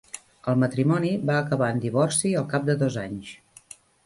El matrimoni va acabar en divorci al cap de dos anys.